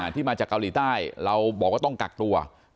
ที่มาจากเกาหลีใต้เราบอกว่าต้องกักตัว